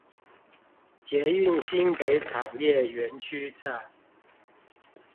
捷運新北產業園區站